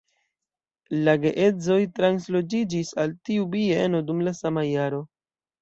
La geedzoj transloĝiĝis al tiu bieno dum la sama jaro.